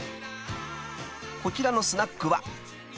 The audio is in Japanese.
［こちらのスナックは］